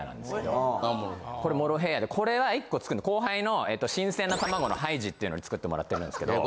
これモロヘイヤでこれは１個作るのに後輩の新鮮なたまごのハイジっていうのに作ってもらってるんですけど。